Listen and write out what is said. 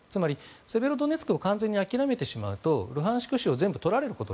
セベロドネツクを完全に諦めてしまうとルハンシク州を取られてしまう。